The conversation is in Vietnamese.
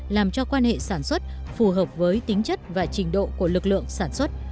làm cho quan hệ sản xuất phù hợp với tính chất và trình độ của lực lượng sản xuất